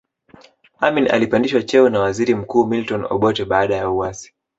Amin alipandishwa cheo na waziri mkuu Milton Obote baada ya uasi